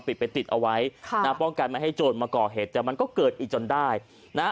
ไปติดเอาไว้ค่ะนะป้องกันไม่ให้โจรมาก่อเหตุแต่มันก็เกิดอีกจนได้นะฮะ